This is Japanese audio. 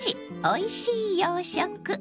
おいしい洋食」。